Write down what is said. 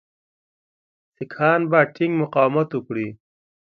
سیکهان به ټینګ مقاومت وکړي.